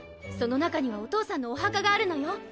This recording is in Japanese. その中にはお父さんのお墓があるのよ。